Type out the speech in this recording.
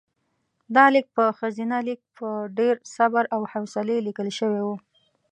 دا لیک په ښځینه لیک په ډېر صبر او حوصلې لیکل شوی و.